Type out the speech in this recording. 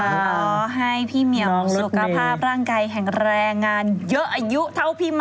ขอให้พี่เหมียมสุขภาพร่างกายแข็งแรงงานเยอะอายุเท่าพี่มา